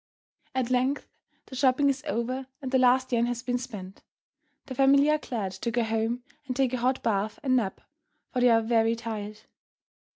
At length the shopping is over and the last yen has been spent. The family are glad to go home and take a hot bath and nap, for they are very tired.